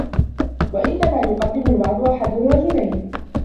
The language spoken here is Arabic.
وَإِنَّمَا يُقَدِّمُ الْوَعْدَ أَحَدُ رَجُلَيْنِ